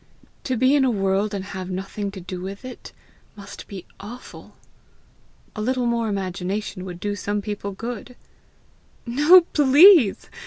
To be in a world and have nothing to do with it, must be awful! A little more imagination would do some people good!" "No, please!